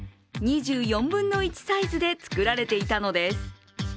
２４分の１サイズで作られていたのです。